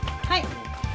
はい。